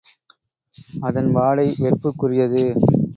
அதன் வாடை வெறுப்புக்குரியது.